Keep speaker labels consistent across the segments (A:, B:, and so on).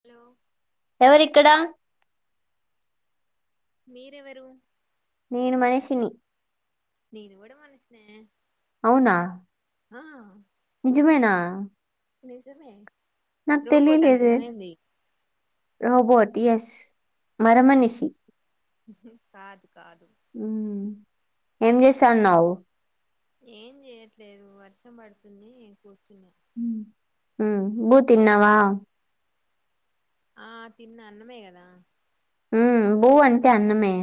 A: Hello
B: ఎవరు ఇక్కడ
A: మీరేవర
B: నేను మనిషిని
A: నీను కూడా మనిషినే
B: అవునా
A: ఆా
B: నిజమేనా
A: నిజమే
B: నాకు
A: రోబోట్
B: తెలియలేదే
A: అనుకున్నావ్ ఏమి
B: రోబోట్ యస్ మార మనిసిీ
A: కాదు కాదు
B: మ్మ్. ఏం చేస్తున్నావ్
A: ఏం చేయట్లేదు వర్షం పడుతుంది కూర్చున్నా
B: బూ తిన్నావా
A: ఆ తిన్న అన్నమే కదా
B: ఉ భూ అంటే అన్నమే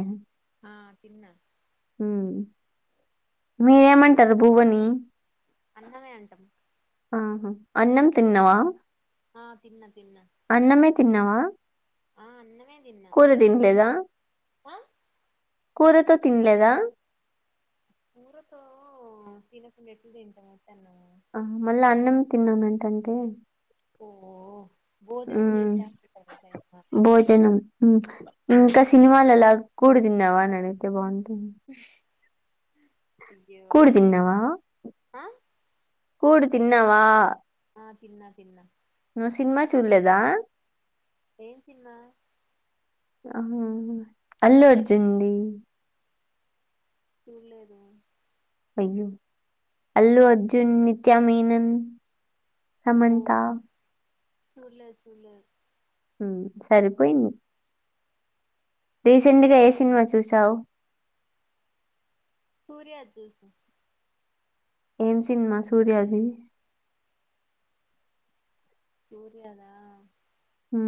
A: ఆ తిన్న
B: మీరూ ఏమంటారు భువని
A: అన్నమే అంటాం
B: ఆహ అన్నం తిన్నవా
A: ఆ తిన్న తిన్న
B: తిన్నావా
A: ఆ అన్నమే తిన్నా
B: కూరు తినలేదా
A: ఆ
B: కూరతో తిన్లేదా
A: కూరతో తినకుండా ఎట్లా తింటాం ఒట్టి అన్నం
B: ఆ మళ్ళీ అన్నం తిన్నానంటంటే
A: ఓ భోజనం చేసేడు
B: భోజనం మ్ ఇంకా సినిమాలు లాగా కూడు తిన్నావా అని అడిగితే బాగుం
A: [unintelligible] అయ్యో
B: కూడు తిన్నావా
A: ఆ
B: కూడు తిన్నావా
A: ఆ తిన్న తిన్న
B: నువ్వు సినిమా చూడలేదా
A: ఏం సినిమా
B: ఆ అల్లు అర్జున్డి
A: ఇలేదు
B: అయ్యో అల్లు అర్జున్ నిత్యామేనన్ సమంత
A: చూల్లేదు చూల్లేదు
B: సరిపోయింది రీసెంట్గా ఏ సినిమా చూసావు
A: సూర్యదుస్సు
B: ఏం సినిమా సూర్యది
A: సూర్యదా
B: హ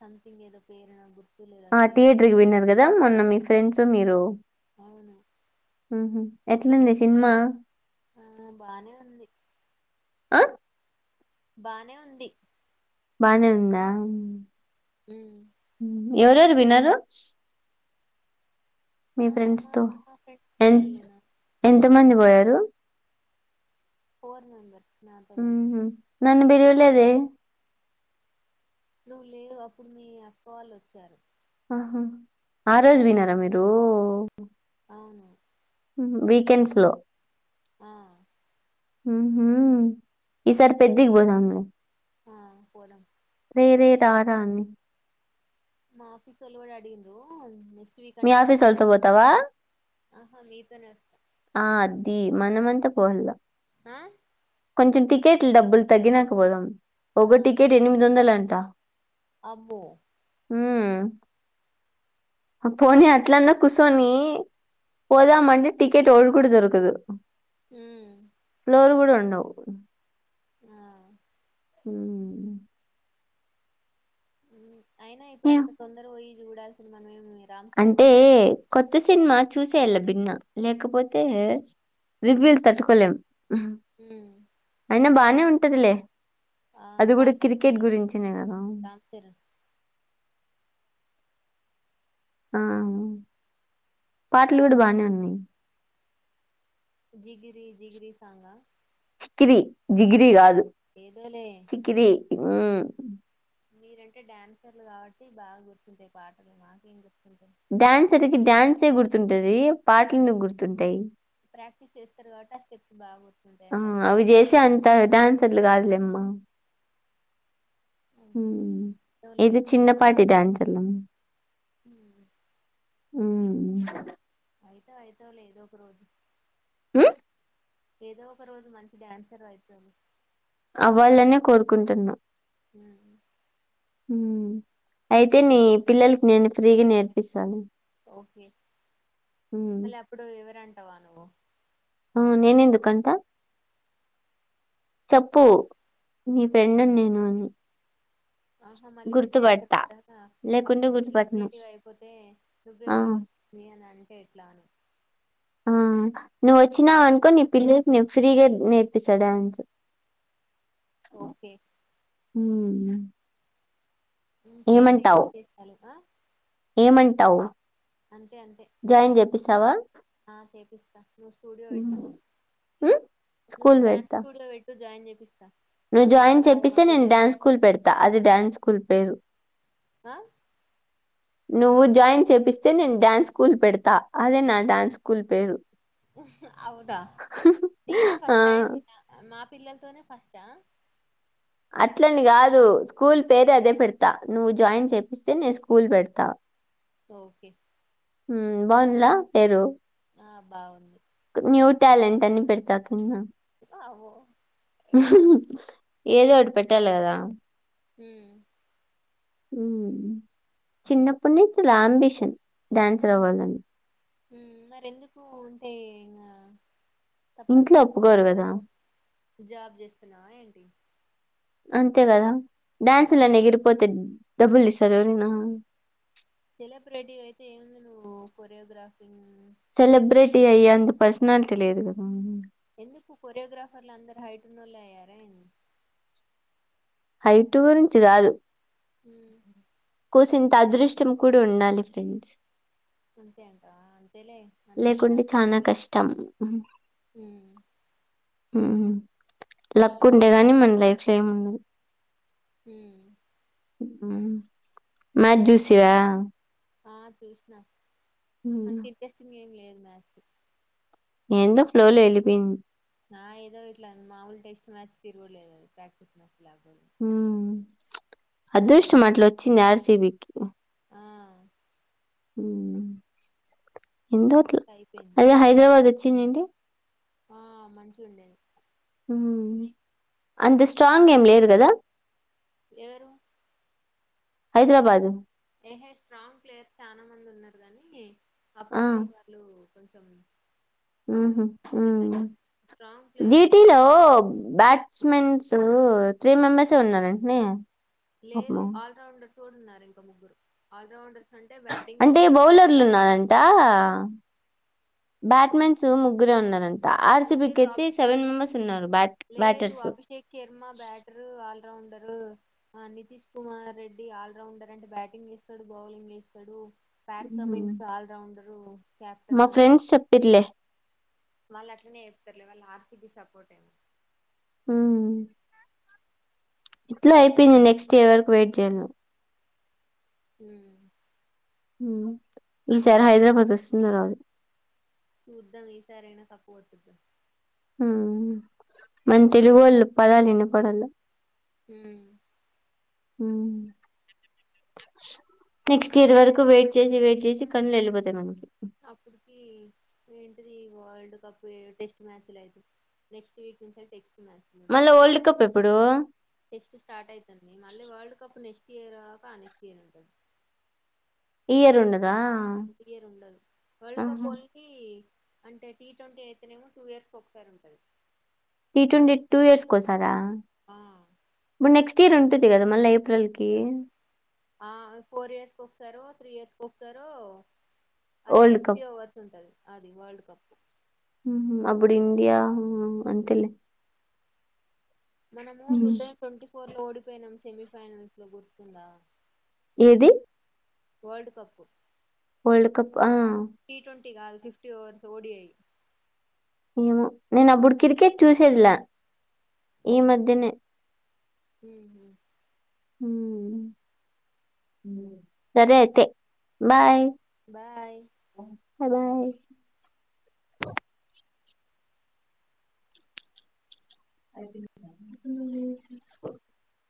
A: సంతింగ్ ఏదో పేరణ గు
B: ఆ టి ట్రియే విన్నర్ కదా మొన్న మీ ఫ్రెండ్స్ మీరు
A: అవును
B: ఉహు ఎట్లుంది సినిమా
A: ఆ బానే ఉంది
B: ఆ
A: బానే ఉంది
B: బానే ఉందా
A: హ
B: ఎవరు ఎవరు విన్నారు
A: ఆ
B: తో
A: మర్క్ మా ఫ్రెండ్స్ తో ఎళ్ళిన
B: మండిబోయారు
A: ఫోర్ మెంబర్
B: హు నన్ను పిల్వలే లేదే
A: నువ్వు లేవు అప్పుడు మీ అక్క వాళ్ళు వచ్చారు
B: ఆ రోజ వినాార మీరు
A: అవును
B: వీకెండ్స్ లో
A: ఆ
B: ఈ సార్ పెద్దకి పోోధామ్ లే
A: ఆ పోదం
B: ఎరే సాథాన్ని
A: మాఫీ సలవాడి అడిగిందో నేస్ట్
B: మీ ఆఫీస్ వోతో పోతావా
A: ఆహా మీతోనే వస్తా
B: ఆ అద్ది మనమంత పోహల్లా
A: ఆ
B: కొంచం టికెట్లు డబ్బులు తగ్గినకపో పోదాం
A: ఆ
B: ఒక టికెట్ ఎనిమిది వందల అంట్ త
A: అబ్బో
B: హ్మ పోనీ అట్లన్న కుసోనీ పోదామంటే టికెట్ ఒకడు కూడ దొరుకదు.
A: హ్మ
B: కొరు కూడ ఉండవ్.
A: ఆ
B: హ్మ
A: ఉ అయినా ఇప్పుడు
B: ఏం
A: అంత తొందర పోయి చూడాల్ సింది మనమే [unintelligible]
B: అంటే కొత్త సిన్మా చూసేళమ్ భిన్న లేకపోతే రివ్యూల్ తట్టుకోలేం.
A: హ్మ
B: నే ఉంటదిలే. అది కూడ క్రికెట్
A: రోజులు
B: గురించనే కదా.
A: రామ్ చరణ్
B: ఆ పాటలు కూడ బానే ఉన్నయి.
A: జిగిరి జిగిరి సాంగా.
B: చికిరి జిగిరి గాదు
A: ఏదోలే
B: ఆ
A: మీరంటే డ్యాన్సర్లు కాబట్టి బాగ గుర్తుంటయి పాటలు మాకేం గుర్తుంటయి.
B: డ్యాన్సర్కి డ్యాన్సే గుర్తుంటదీ, పాటలెందుకు గుర్తుంటయి.
A: ప్రాక్టీస్ చేస్తరు కాబట్టె ఆ స్టెప్స్ బాగుర్
B: ఆ అవి జేసే అంత డాన్స్ న్సర్లు కాదులేమ్మ. హ్మ
A: ఏదో
B: ఇది చిన్న పాటి డాన్స్ లం
A: హ
B: ఊ
A: అయితవ్ అయితవ్ లే ఏదో ఒక రోజు.
B: ఉ
A: ఏదో ఒక రోజు మంచి డ్యాన్సర్ అయితవ్.
B: అవ్వాలనే కోరుకుంటున్నా.
A: హ్మ
B: హ్మ అయితే నీ పిల్లలకి నేను ఫ్రీగ నేర్పిస్తాను.
A: ఓకే
B: హ్మ్.
A: మళ్ళీ అప్పుడూ ఎవరంటవా నువ్వు.
B: అవు నేనెందు కంటా. చెప్పు నీ ఫ్రెండున్ నేను అని
A: ఆహా మళ్ళీ పెద్ద ఎత్తు
B: గుర్తుపడతా.
A: [unintelligible]
B: లేకుంటే
A: అప్పు
B: గుర్తుపట్టను.
A: సెలబ్రేటీవ్ అయిపోతే
B: ఆ!
A: నువ్వెవరు వచ్చంది అని అంటే ఎట్లా అని
B: ఆ నువ్వు వచ్చినావ అనుకో నీ పిల్లలకి నేన్ ఫ్రీగా నేర్పిస్తా డాన్స్.
A: ఓకే
B: మ్
A: ఇంకేంటి ఇవి చేస్తాలుగా
B: ఏమంటావు?
A: అంతే అంతే
B: జాయిన్ చేపిస్తావా?
A: ఆ చేపిస్తా నువవు స్టూడియో పెట్టు
B: హ్మ్. హ్మ్.
A: నువ్వు
B: స్కూల్
A: డ్యాన్స్
B: పెడతా.
A: స్టూడియో పెట్టు జాయిన్ చే పిస్తా
B: నువ్వు జాయిన్ చెప్పస్త నేను డన్స్ స్కూల్ పెడతా అది డ్యాన్స్ స్కూల్ పేరు
A: ఆ
B: నువ్వు జాయిన్ చేపిస్తే నేను డ్యాన్స్ స్కూల్ పెడతా అదే నా డ్యాన్స్ స్కూల్ పేరు
A: హవుదా ననే
B: ఆ!
A: ఫస్ట్ టై మా పిల్లలతోనే ఫస్ట్
B: అట్లని కాదు స్కూల్ పేరే అదే పెడతా నువ్వు జాయిన్ చేపిస్తే నేను స్కూల్ పెడతా
A: ఓకే
B: బాగుంలా పేరు
A: ఆ బాగుంది
B: న్యూ ట్యాలెంట్ అని పెడతా కన్నా
A: అ
B: ఏదో ఒకటి పెట్టాలి కదా
A: హ
B: చిన్నప్పుటిని చాలా అంబిషన్ డ్యాన్స్ర్ అవ్వాలని
A: మరి ఎందుకు ఉంటాయి ఇకా తప్ప
B: ఇంట్లో
A: ప
B: ఒప్పుకోరు గదా!
A: జాబ జస్తునా ఏంటి
B: అంతే కదా డ్యాన్సులనే ఎగిరిపోతే డబ్బులు ఇస్తారు ఎవరనా
A: సెలబ్రిటీ అయితే ఏముంది నువ్వు కొరియోగ్రాఫీ
B: సెలబ్ర్రిట్ అయ్యి అందు పర్సనాలిటీ లేదు కదా
A: ఎందుకు కొర్యోగ్రాఫర్ల అందరయిటిన్న
B: హైట్ గురించి కాదు
A: హ
B: కోసంత అదృష్టం కూడా ఉండాలి ఫ్రెండ్స్
A: అంతే అంటా అంత
B: లేకుంటే చాలనా కష్టం
A: ఉమ్
B: లక్ ఉంటే గాని మన లైఫ్ లో ఏం ఉండదు
A: హ
B: మా జూసవా
A: ఆ చూష్ణ అని
B: మ్మ్
A: తిరిగస్ం ఏం లేదు మ
B: ఎందో ఫ్లో లో వెళ్ళిపోయింది
A: ఆ ఏదో ఇట్లా మాముూలు టెస్ట్ మ్యాచ్ తిరుగుడు లేదు అది ప్రాక్టీస్ మ్యాచ్ లా.
B: ఉమ్మ్ అదృష్టం అట్లొంచ్చింది ఆర్ సి బి కి.
A: ఆ
B: ఊమ్ ఏందో అట్లా
A: అయిపోయింది
B: ఐనా హైదరాబాదే. చ్చిందండి.
A: ఆ మంచిగుండేది.
B: ఉమ్మ్ అంత స్ట్రాంగ్ ఏం లేర్ కదా.
A: ఎవరు
B: హైద్రాబాదు.
A: ఏహే స్ట్రాంగ్ ప్లేయర్స్ చానా మంది ఉన్నారు గాని. అప్పుడప్పుడు కాదు. కొంచం
B: ఉహు ఉమ్మ్
A: స్ట్రాంగ్
B: జీ
A: ప్లేయర్స్
B: టీ
A: ఆ
B: లో బ్యాట్స్. మెన్సు త్రీ మెంబెర్సే ఉన్నారంటనే.
A: లేదు
B: పాపము
A: ఆల్ రౌండర్. తోడున్నారు ఇంకా ముగ్గురు ఆల్ రౌండర్.
B: అంటే బౌలర్లు ఉన్నారంట. ఆ బ్యాట్మెన్స్ ముగ్గురే ఉన్నారంట్. ఆ ఆర్ సి బి కి
A: లేదు
B: ఐతే
A: అభి
B: సెవెన్ మెంబర్స్ ఉన్నారు బ్యాట్
A: లేదు
B: బ్యాటర్స్.
A: రౌండరు ఆ నితీష్ కుమార్ రెడ్డి ఆల్రౌండర్ అంటే బ్యాటింగ్ చేస్తాడు, బౌలింగ్ చేస్తాడు. బ్యాట్స్
B: హుహు.
A: Mens allrounder.
B: మా ఫ్రెండ్స్ చెప్పిర్లే.
A: వాళ్ళు అట్లనే చెప్తార్లే, వాళ్ళు ఆర్ సి బి సపోర్ట్ ఏమో.
B: ఉమ్మ్ ఇట్లా అయిపోయింది. నెక్స్ట్ ఇయర్ వరకు వెయిట్ చెయ్యాల్ నువ్.
A: ఊమ్
B: ఉమ్మ్ ఈ సారి హైదరాబాద్ వస్తున్నార్ ఆళ్ళు.
A: చూద్దాం ఈసారైనా కప్పు కొట్టుదో.
B: ఉమ్మ్ మన తెలుగు వాళ్ళు పదాల్లినపడాల.
A: ఊమ్
B: ఉమ్మ్ నెక్స్ట్ ఇయర్ వరకు వెయిట్ చేసి వెయిట్ చేసి, కళ్లు వెళ్ళిపోతాయి మనకి.
A: అప్పుటికి నేన్. ఇది వరల్డ్ కప్ టెస్ట్ మ్యాచ్ లు ఐతే, నెక్స్ట్ వీక్ నుంచే టెస్ట్. మ్యాచ్చా
B: మళ్ళా వరల్డ్ కప్ ఎప్పుడు?
A: టెస్ట్ స్టార్ట్ అయితాంది. మళ్ళీ వరల్డ్ కప్ నెస్ట్. తీరా కా నెక్స్ట్ ఇయర్ ఉంటది.
B: ఈ ఇయర్ ఉండదా.
A: ఈ ఇయర్ ఉండదు వాల్డ్ కప్
B: ఆహా!
A: ఓన్లీ. అంటే టీ ట్వంటీ అయితేనేమో టూ ఇయర్స్ కి ఒకసారి ఉంటది.
B: టి ట్వంటీ టూ ఇయర్స్ కోసారా.
A: ఆ
B: నెక్ట్ ఇయర్ ఉంటుంది కా మళ్ళ
A: ఆ ఫోర్ ఇయర్స్కిసారు త్రీ ఇయర్స్ కి ఒకసారో అదే
B: వరల్డ్ కప్.
A: ఫిఫ్టీ ఓవర్స్ ఉంటది అది వరల్డ్ కప్
B: మ్ అప్పుడు ఇండియా అంతలే
A: మనము టూ థౌసండ్ ట్వంటీ ఫో ఓడిపోయినాం సెమీఫైనల్స్ లో గుర్తుందా
B: ఏది
A: ఓర్ల్డ్ కప్పు
B: వల్డ్ కప్ ఆ
A: టి కాద్ ఫిఫ్టీ ఓవర్స్ ఓడిఐ
B: ఏమ నేను అడు కిరకెట్ చూసేదిలా ఈ మధ్యనే
A: మ్
B: మ్ సరే అయితే బాయ్
A: బాయ్
B: అదా [inaudible]